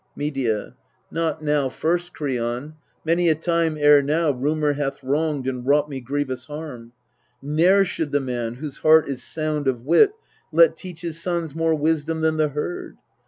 Medea. Not now first, Kreon many a time ere now Rumour hath wronged and wrought me grievous harm. Ne'er should the man whose heart is sound of wit Let teach his sons more wisdom than the herd.